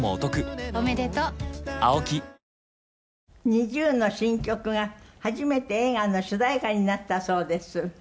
ＮｉｚｉＵの新曲が初めて映画の主題歌になったそうです。